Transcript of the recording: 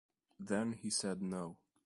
Then he said no.